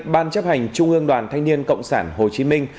ban chấp hành trung ương đoàn thanh niên cộng sản hồ chí minh